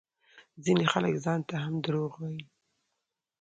ځينې خلک ځانته هم دروغ وايي